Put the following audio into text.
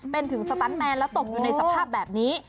เป็นถึงสตันแมนแล้วตกอยู่ในสภาพแบบนี้